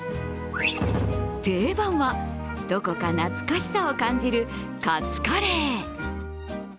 定番は、どこか懐かしさを感じるカツカレー。